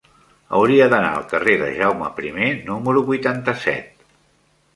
Hauria d'anar al carrer de Jaume I número vuitanta-set.